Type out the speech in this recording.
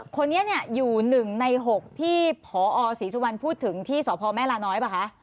คนนี้อยู่๑ใน๖ที่พอศรีสุวรรณพูดถึงที่สพแม่ลาน้อยป่ะคะ